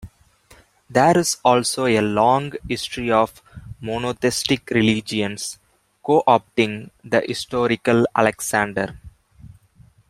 There is also a long history of monotheistic religions co-opting the historical Alexander.